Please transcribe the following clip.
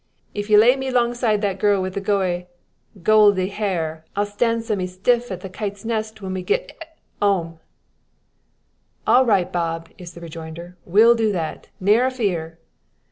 "If ye lay me 'longside that girl wi' the gooe goeeldy hair, I'll stan' someat stiff at the `Kite's Nest' whens we get hic 'ome." "All right, Bob!" is the rejoinder, "we'll do that. Ne'er a fear."